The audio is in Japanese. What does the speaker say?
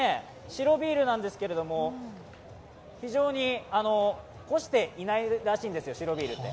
白ビールなんですけれども、こしていないらしいんですよ、白ビールは。